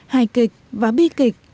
hài kịch và bi kịch